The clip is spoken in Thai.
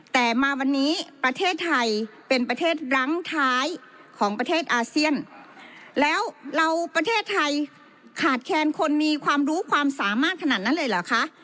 แต่มาวันนี้ประเทศไทยเป็นประเทศรั้งท้ายของประเทศอาเซียนแล้วเราประเทศไทยขาดแคนคนมีความรู้ความสามารถขนาดนั้นเลยเหรอคะ